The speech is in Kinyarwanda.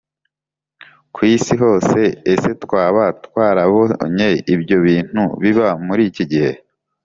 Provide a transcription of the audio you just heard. Ku isi hose ese twaba twarabonye ibyo bintu biba muri iki gihe